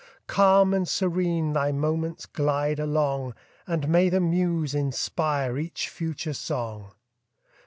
Calm and serene thy moments glide along, And may the muse inspire each future song!